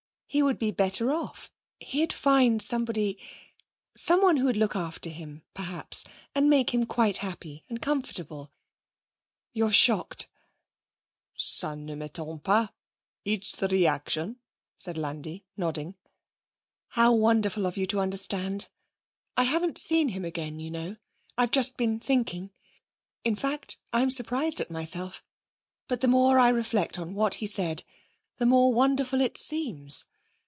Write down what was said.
He would be better off. He'd find somebody someone who would look after him, perhaps, and make him quite happy and comfortable. You're shocked?' 'Ça ne m'étonne pas. It's the reaction,' said Landi, nodding. 'How wonderful of you to understand! I haven't seen him again, you know. I've just been thinking. In fact, I'm surprised at myself. But the more I reflect on what he said, the more wonderful it seems....